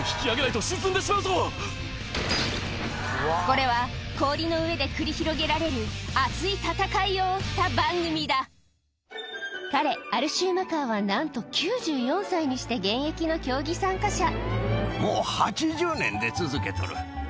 これは氷の上で繰り広げられる熱い戦いを追った番組だ彼アル・シューマカーはなんと９４歳にして現役の競技参加者